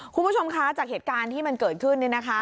คุณผู้ชมคะจากเหตุการณ์ที่มันเกิดขึ้น